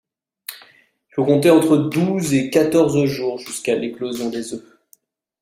Il faut compter entre douze et quatorze jours jusqu'à l'éclosion des œufs.